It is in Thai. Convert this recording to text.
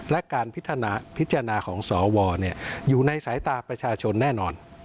และการพิจารณาของสวอยู่ในสายตาประชาชนแน่นอน